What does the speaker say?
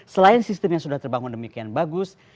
selain sistem yang sudah terbangun demikian bagus